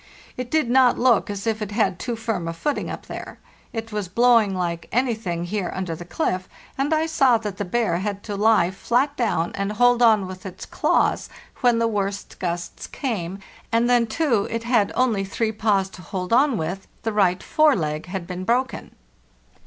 It did not look as if it had too firm a footing up there. It was blowing like anything here under the cliff, and I saw that the bear had to lie flat down and hold on with 470 FARTHEST NORTH its claws when the worst gusts came, and then, too, it had only three paws to hold on with; the right fore leg had been broken.